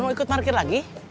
mau ikut market lagi